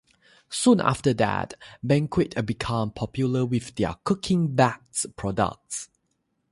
Soon after that, Banquet became popular with their "Cookin' Bags" products.